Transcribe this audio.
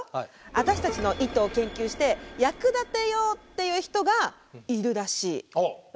私たちの糸を研究して役立てようっていう人がいるらしい。